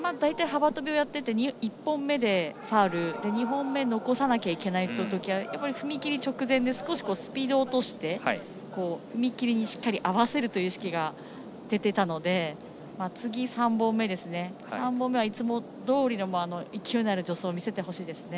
１本目でファウルして２本目で残さないといけないときは踏み切り直前でスピードを落とし踏み切りにしっかり合わせるという意識が出ていたので３本目はいつもどおりの勢いある助走を見せてほしいですね。